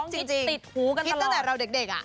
ฮิตจริงติดหูกันตลอดฮิตตั้งแต่เราเด็กอะ